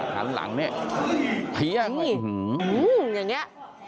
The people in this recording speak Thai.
นี่หลังนี่พี๊ยะอื้อฮืออย่างนี้